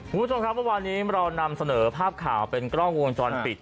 คุณผู้ชมครับเมื่อวานนี้เรานำเสนอภาพข่าวเป็นกล้องวงจรปิด